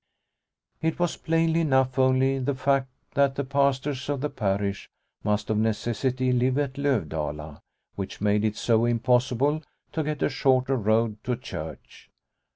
It was plainly enough only the fact that the pastors of the parish must of necessity live at Lovdala, which made it so impossible to get a shorter road to church.